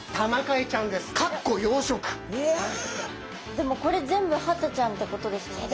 でもこれ全部ハタちゃんってことですもんね。